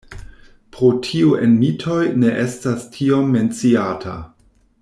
Pro tio en mitoj ne estas tiom menciata.